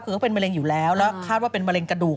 คือเขาเป็นมะเร็งอยู่แล้วแล้วคาดว่าเป็นมะเร็งกระดูก